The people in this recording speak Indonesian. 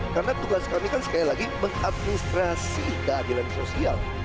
karena tugas kami kan sekali lagi mengadministrasi keadilan sosial